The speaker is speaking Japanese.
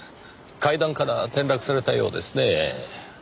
階段から転落されたようですねぇ。